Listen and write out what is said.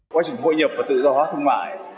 quá trình hội nhập và tự do hóa thương mại